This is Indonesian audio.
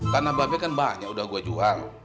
tanah babi kan banyak udah gua jual